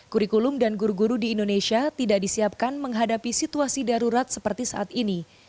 kurikulum dan guru guru di indonesia tidak disiapkan menghadapi situasi darurat seperti saat ini